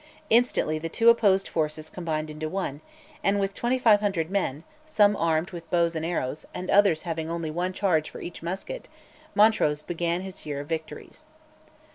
Instantly the two opposed forces combined into one, and with 2500 men, some armed with bows and arrows, and others having only one charge for each musket, Montrose began his year of victories.